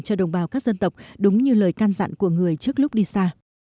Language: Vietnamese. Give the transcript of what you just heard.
cho đồng bào các dân tộc đúng như lời can dặn của người trước lúc đi xa